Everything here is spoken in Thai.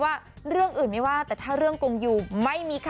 กดอย่างวัยจริงเห็นพี่แอนทองผสมเจ้าหญิงแห่งโมงการบันเทิงไทยวัยที่สุดค่ะ